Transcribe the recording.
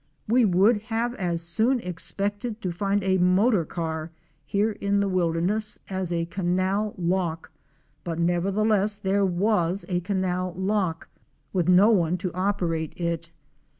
We would have as soon ex pected to find a motor car here in the wilderness as a canal lock, but nevertheless there was a canal lock with no one to operate it.